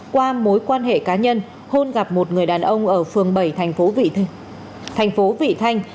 qua mối quan hệ cá nhân hôn gặp một người đàn ông ở phường bảy thành phố vị thanh